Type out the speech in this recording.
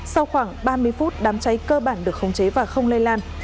sau khoảng ba mươi phút đám cháy cơ bản được khống chế và không lây lan